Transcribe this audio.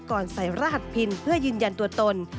ใส่รหัสพินเพื่อยืนยันตัวตน